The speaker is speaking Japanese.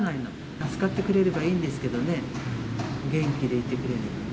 助かってくれればいいんですけどね、元気でいてくれればね。